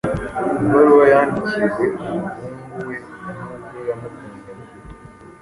Ibaruwa yandikiwe umuhungu we nubwo yamukundaga